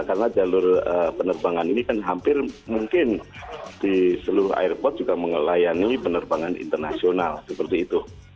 karena jalur penerbangan ini kan hampir mungkin di seluruh airport juga mengelayani penerbangan internasional seperti itu